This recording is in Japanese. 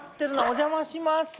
お邪魔します！